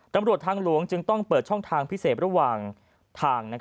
ตำรวจทางหลวงจึงต้องเปิดช่องทางพิเศษระหว่างทาง